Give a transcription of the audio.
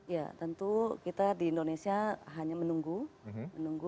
ya tentu kita di indonesia kita berada di luar negara kita berada di luar negara kita berada di luar negara